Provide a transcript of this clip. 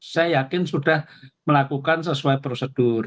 saya yakin sudah melakukan sesuai prosedur